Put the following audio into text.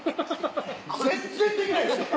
全然できないですよ！